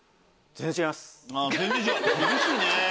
厳しいね。